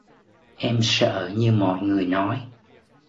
Em sợ như mọi người nói